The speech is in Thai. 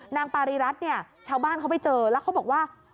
ปารีรัฐเนี่ยชาวบ้านเขาไปเจอแล้วเขาบอกว่า